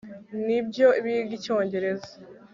Nibyo biga Icyongereza